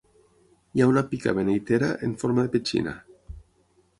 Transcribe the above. Hi ha una pica beneitera en forma de petxina.